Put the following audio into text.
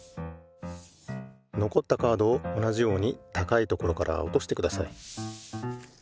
のこったカードを同じようにたかいところからおとしてください。